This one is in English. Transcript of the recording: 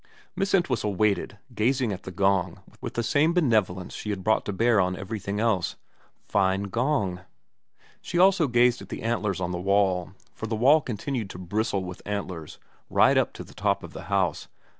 Miss Entwhistle waited, gazing at the gong with the same benevolence she had brought to bear on everything XXVI VERA 291 else. Fine gong. She also gazed at the antlers on the wall, for the wall continued to bristle with antlers right up to the top of the house.